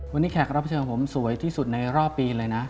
วันนี้แขกรับเชิญผมสวยที่สุดในรอบปีเลยนะ